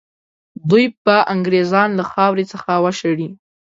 دوی به انګرېزان له خاورې څخه وشړي.